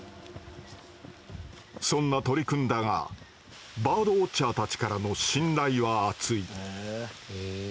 そんな鳥くんだがバードウォッチャーたちからの信頼は厚い。